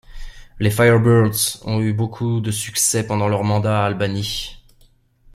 Les Firebirds ont eu beaucoup de succès pendant leur mandat à Albany.